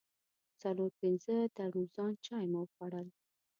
څلور پنځه ترموزان چای مو وخوړل.